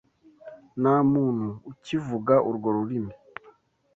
Nta muntu ukivuga urwo rurimi.